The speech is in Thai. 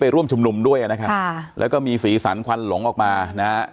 ร่วมชุมนุมด้วยนะครับค่ะแล้วก็มีสีสันควันหลงออกมานะฮะ